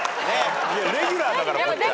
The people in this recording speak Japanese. レギュラーだからこっちは。